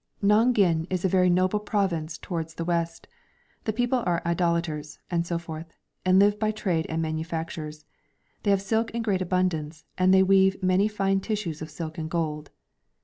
Nanghin is a very noble Province towards the west. The people are Idolaters (and so forth) and live by trade and manufactures. They have silk, in great abundance, and they weave many fine tissues of silk and gold.